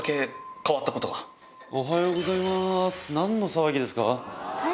おはようございます何の騒ぎですか？